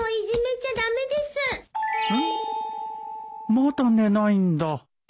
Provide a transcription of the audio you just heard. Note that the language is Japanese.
まだ寝ないんだ